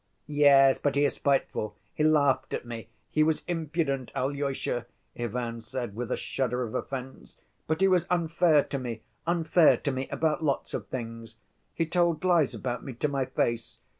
"Yes, but he is spiteful. He laughed at me. He was impudent, Alyosha," Ivan said, with a shudder of offense. "But he was unfair to me, unfair to me about lots of things. He told lies about me to my face.